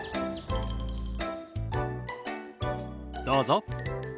どうぞ。